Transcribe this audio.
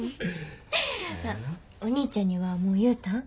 お兄ちゃんにはもう言うたん？